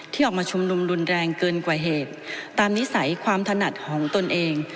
ออกมาชุมนุมรุนแรงเกินกว่าเหตุตามนิสัยความถนัดของตนเอง